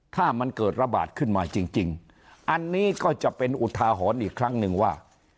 ถ้ามันเกิดระบาดขึ้นมาจริงอันนี้ก็จะเป็นอุทาหรณ์อีกครั้งหนึ่งว่า